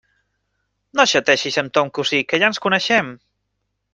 No xategis amb ton cosí, que ja ens coneixem!